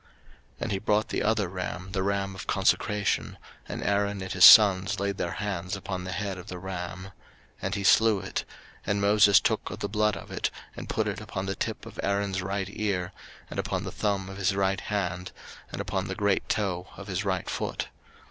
03:008:022 And he brought the other ram, the ram of consecration: and Aaron and his sons laid their hands upon the head of the ram. 03:008:023 And he slew it; and Moses took of the blood of it, and put it upon the tip of Aaron's right ear, and upon the thumb of his right hand, and upon the great toe of his right foot.